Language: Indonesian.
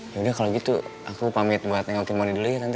yaudah kalo gitu aku pamit buat nengokin mondi dulu ya tante